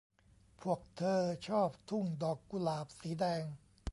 พวกเธอชอบทุ่งดอกกุหลาบสีแดง